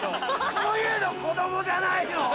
こういうの子供じゃないの？